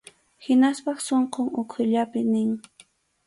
Hinaspas sunqun ukhullapi nin.